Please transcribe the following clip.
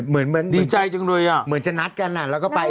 เหมือนดีใจจังเลยอ่ะเหมือนจะนัดกันแล้วก็ไป